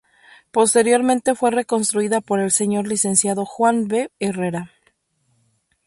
Posteriormente fue reconstruida por el Señor Licenciado Juan B. Herrera.